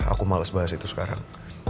aku males bahas itu sekarang